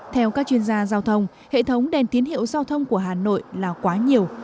theo các chuyên gia giao thông hệ thống đèn tín hiệu giao thông của hà nội là quá nhiều